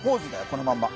このまんま。